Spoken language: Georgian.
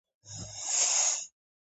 ასეთ წყობას პრაქტიკაში არასდროს უარსებია.